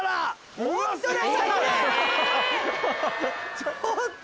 ちょっと！